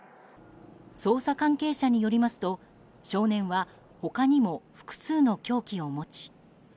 捜査関係者によりますと、少年は他にも複数の凶器を持ち。